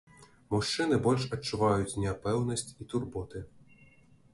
Мужчыны больш адчуваюць няпэўнасць і турботы.